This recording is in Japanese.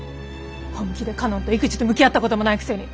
本気で佳音と育児と向き合ったこともないくせに。